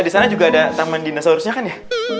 di sana juga ada taman dinosaurusnya kan ya